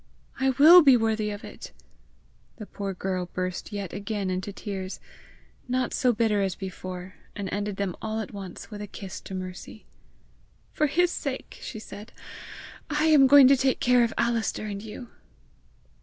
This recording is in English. I will be worthy of it!" The poor girl burst yet again into tears not so bitter as before, and ended them all at once with a kiss to Mercy. "For his sake," she said, "I am going to take care of Alister and you!"